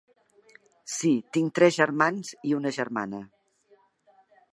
Sí, tinc tres germans i una germana.